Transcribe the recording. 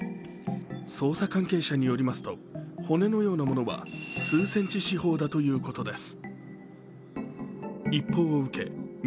捜査関係者によりますと骨のようなものは数センチ四方だということです。